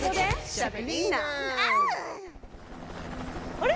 あれ？